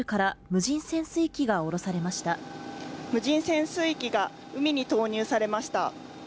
無人潜水機が海に投入されました。